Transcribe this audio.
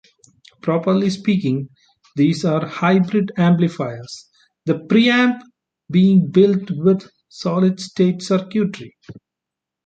Properly speaking these are hybrid amplifiers, the pre-amp being built with solid-state circuitry.